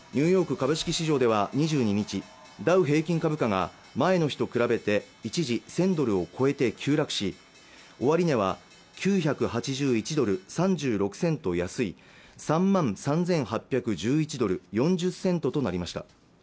ニューヨーク株式市場では２２日ダウ平均株価が前の日と比べて一時１０００ドルを超えて急落し終値は９８１ドル３６セント安い３万３８１１ドル４０セントとなりました